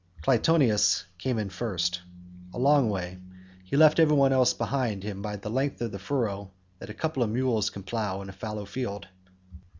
Clytoneus came in first by a long way; he left every one else behind him by the length of the furrow that a couple of mules can plough in a fallow field.